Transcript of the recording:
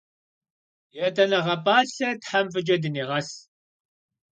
Yêt'eneğe p'alhem Them f'ıç'e dıniğes!